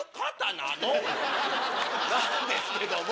なんですけども。